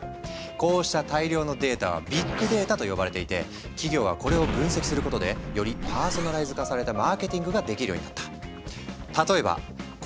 こうした大量のデータはビッグデータと呼ばれていて企業はこれを分析することでよりパーソナライズ化されたマーケティングができるようになった。